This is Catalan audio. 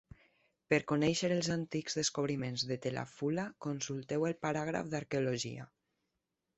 Per conèixer els antics descobriments de Tel 'Afula, consulteu el paràgraf d"Arqueologia.